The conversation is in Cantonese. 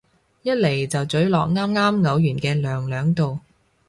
一嚟就咀落啱啱嘔完嘅娘娘度